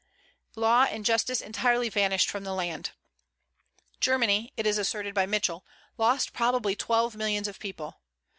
Law and justice entirely vanished from the land. Germany, it is asserted by Mitchell, lost probably twelve millions of people.